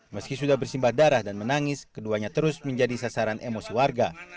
meski sudah bersimbah darah dan menangis keduanya terus menjadi sasaran emosi warga